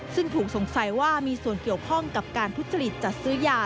ซึ่งถูกสงสัยว่ามีส่วนเกี่ยวพร่องกับการพุทธฤทธิ์จัดซื้อหย่า